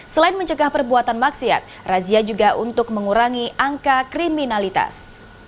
selain mencegah perbuatan maksiat razia juga untuk mengurangi angka kriminalitas